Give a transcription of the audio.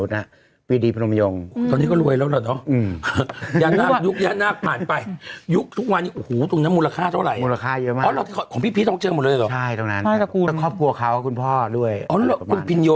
ใช่ตรงนั้นใช่กับคุณแล้วครอบครัวเขาคุณพ่อด้วยอ๋อคุณพินโย